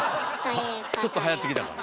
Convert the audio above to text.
あっちょっとはやってきたかな。